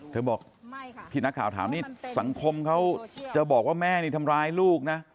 เธอบอกที่นักข่าวถามนี่สังคมเขาจะบอกว่าแม่นี่ทำร้ายลูกนะ